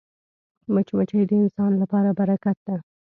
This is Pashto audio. مچمچۍ د انسان لپاره برکت ده